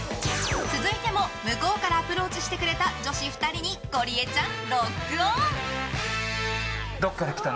続いても、向こうからアプローチしてくれた女子２人にゴリエちゃん、ロックオン。